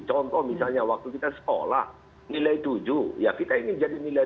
contoh misalnya waktu kita sekolah nilai tujuh ya kita ingin jadi nilai dua